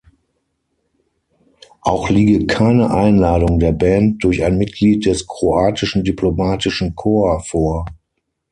Auch liege keine Einladung der Band durch ein Mitglied des kroatischen diplomatischen Corps vor.